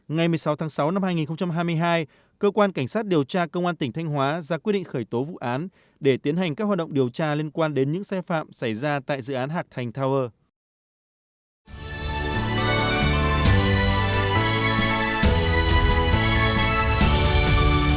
ngày một mươi sáu tháng sáu năm hai nghìn hai mươi hai cơ quan cảnh sát điều tra công an tỉnh thanh hóa ra quyết định khởi tố vụ án để tiến hành các hoạt động điều tra liên quan đến những xe phạm xảy ra tại dự án hạc thành tower